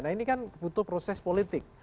nah ini kan butuh proses politik